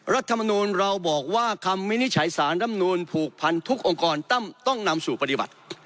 รัฐมนูลเราบอกว่าคำวินิจฉัยสารรำนูนผูกพันทุกองค์กรต้องนำสู่ปฏิบัติ